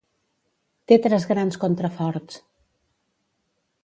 Té tres grans contraforts.